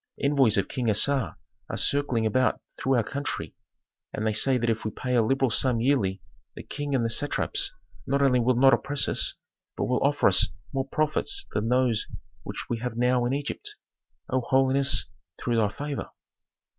Envoys of King Assar are circling about through our country and they say that if we pay a liberal sum yearly the King and the satraps not only will not oppress us, but will offer us more profits than those which we have now in Egypt, O holiness, through thy favor."